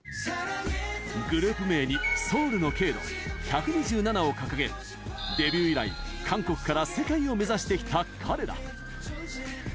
グループ名にソウルの経度、１２７を掲げデビュー以来、韓国から世界を目指してきた彼ら。